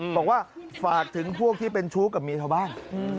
บอกว่าฝากถึงพวกที่เป็นชุกกับมีเท่าบ้าง